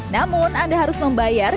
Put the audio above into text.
namun anda harus membayar